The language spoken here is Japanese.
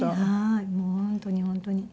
もう本当に本当に。